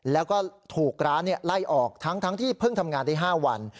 แล้วก็ถูกร้านไล่ออกทั้งที่เพิ่งทำงานได้๕วัน